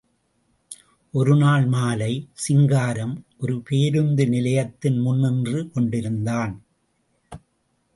ஒருநாள் மாலை, சிங்காரம் ஒருபேருந்து நிலையத்தின் முன்நின்று கொண்டிருந்தான்.